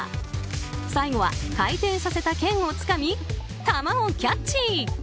最後は回転させたけんをつかみ玉をキャッチ。